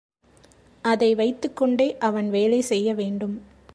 அதை வைத்துக் கொண்டே அவன் வேலை செய்யவேண்டும்.